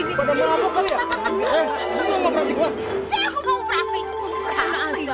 ini lagi cewek nih